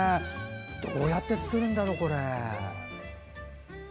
どうやって作るんだろう？